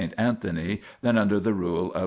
Anthony than under the rule of S.